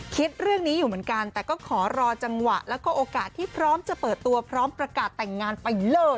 คิดเรื่องนี้อยู่เหมือนกันแต่ก็ขอรอจังหวะแล้วก็โอกาสที่พร้อมจะเปิดตัวพร้อมประกาศแต่งงานไปเลิศ